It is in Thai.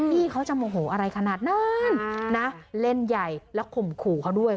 พี่เขาจะโมโหอะไรขนาดนั้นนะเล่นใหญ่แล้วข่มขู่เขาด้วย